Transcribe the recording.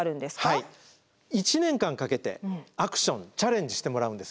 はい１年間かけてアクションチャレンジしてもらうんです。